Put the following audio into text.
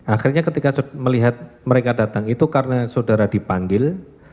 akhirnya ketika melihat mereka datang itu karena saudara dipanggil